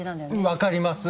分かります。